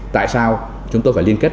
tại sao chúng tôi phải liên kết